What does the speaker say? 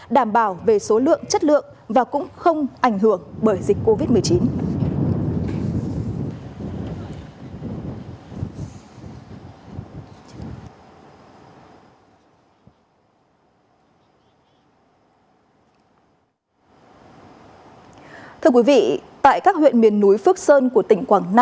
đảm bảo về số lượng chất lượng và cũng không ảnh hưởng bởi dịch covid một mươi chín